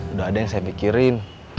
udah ada yang saya pikirin